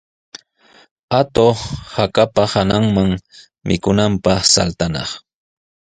Atuq hakapa hananman mikunanpaq saltanaq.